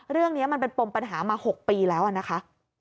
เรื่องนี้มันเป็นปมปัญหามา๖ปีแล้วนะคะ